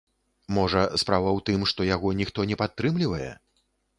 Можа, справа ў тым, што яго ніхто не падтрымлівае?